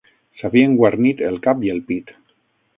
S'havien guarnit el cap i el pit